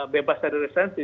bebas dari resensi